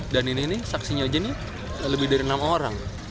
dan ini nih saksinya aja nih lebih dari enam orang